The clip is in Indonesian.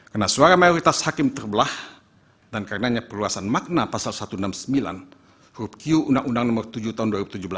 karena suara mayoritas hakim terbelah dan karenanya perluasan makna pasal satu ratus enam puluh sembilan huruf q undang undang no tujuh tahun dua ribu tujuh belas